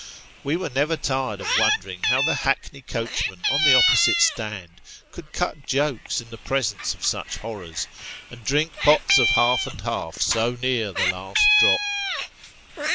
We were never tired of wondering how the hackney coachmen on the opposite stand could cut jokes in the presence of such horrors, and drink pots of half and half so near the last drop.